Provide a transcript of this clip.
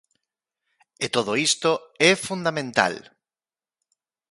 E todo isto é fundamental!